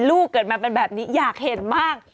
ลูกเกิดมาเป็นแบบนี้อยากเห็นมาก